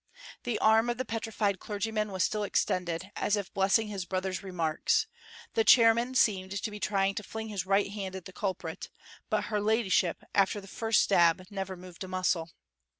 The arm of the petrified clergyman was still extended, as if blessing his brother's remarks; the chairman seemed to be trying to fling his right hand at the culprit; but her ladyship, after the first stab, never moved a muscle.